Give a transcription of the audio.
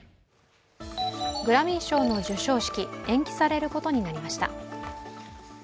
グラミー賞の授賞式、延期されることになりました。